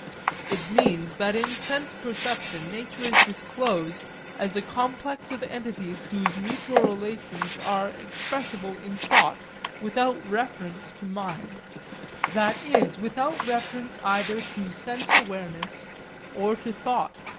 It means that in sense perception nature is disclosed as a complex of entities whose mutual relations are expressible in thought without reference to mind, that is, without reference either to sense awareness or to thought.